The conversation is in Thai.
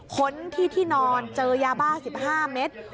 ค้นที่ที่นอนเจอยาบ้า๑๕เมตร